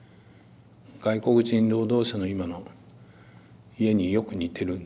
外国人労働者の今の家によく似てるんだよ。